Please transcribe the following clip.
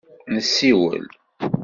Nessiwel.